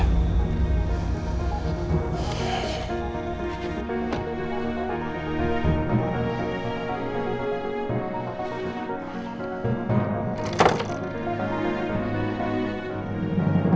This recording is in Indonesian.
sampai jumpa lagi